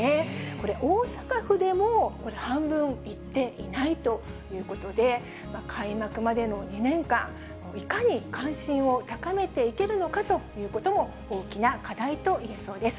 これ、大阪府でも、これ、半分いっていないということで、開幕までの２年間、いかに関心を高めていけるのかということも、大きな課題といえそうです。